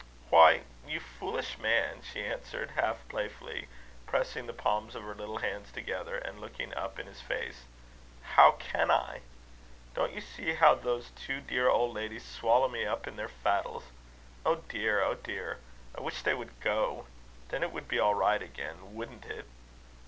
"Why, you foolish man!" she answered, half playfully, pressing the palms of her little hands together, and looking up in his face, "how can I? Don't you see how those two dear old ladies swallow me up in their faddles? Oh, dear! Oh, dear! I wish they would go. Then it would be all right again wouldn't it?"